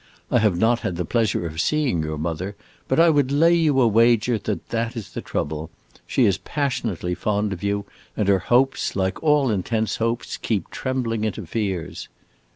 I have not had the pleasure of seeing your mother, but I would lay you a wager that that is the trouble. She is passionately fond of you, and her hopes, like all intense hopes, keep trembling into fears."